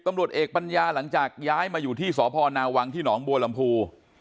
ตำรวจเอกปัญญาหลังจากย้ายมาอยู่ที่สพนาวังที่หนองบัวลำพู